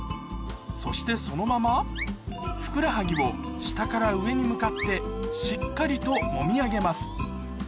そしてそのままふくらはぎを下から上に向かってしっかりともみ上げます